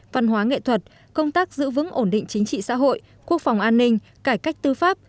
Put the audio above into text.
văn hóa nghệ thuật công tác giữ vững ổn định chính trị xã hội quốc phòng an ninh cải cách tư pháp